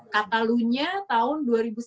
katalunya tahun dua ribu sembilan belas